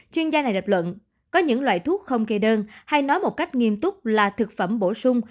chuyên gia này lập luận có những loại thuốc không kê đơn hay nói một cách nghiêm túc là thực phẩm bổ sung